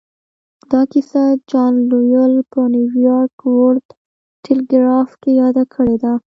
دا کيسه جان لويل په نيويارک ورلډ ټيليګراف کې ياده کړې ده.